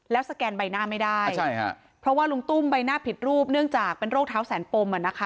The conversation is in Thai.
แล้วสแกนใบหน้าไม่ได้ใช่ฮะเพราะว่าลุงตุ้มใบหน้าผิดรูปเนื่องจากเป็นโรคเท้าแสนปมอ่ะนะคะ